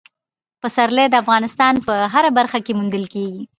پسرلی د افغانستان په هره برخه کې موندل کېږي.